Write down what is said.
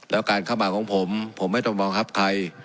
แล้วการเข้ามาของผมผมไม่ต้องบังคับใคร